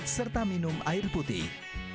serta minum air putih